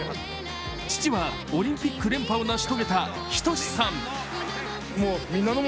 父はオリンピック連覇を成し遂げた仁さん。